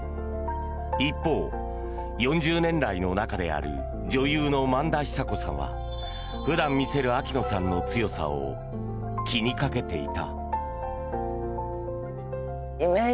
一方、４０年来の中である女優の萬田久子さんは普段見せる秋野さんの強さを気にかけていた。